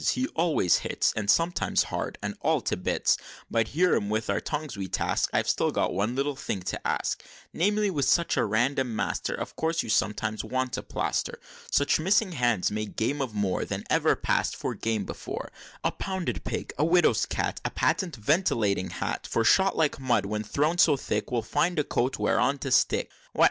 He always hits And sometimes hard, and all to bits. But ere with him our tongues we task, I've still one little thing to ask; Namely, with such a random master, Of course you sometimes want a plaster? Such missing hands make game of more Than ever pass'd for game before A pounded pig a widow's cat A patent ventilating hat For shot, like mud, when thrown so thick, Will find a coat whereon to stick!" "What!